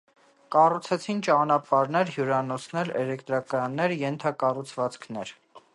Կառուցեցին ճանապարհներ, հյուրանոցներ, էլեկտրակայաններ, ենթակառուցվածքներ։